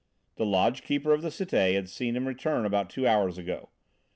The lodge keeper of the Cité had seen him return about two hours ago.